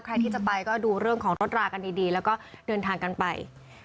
ใครที่จะไปก็ดูเรื่องของรถรากันดีแล้วก็เดินทางกันไป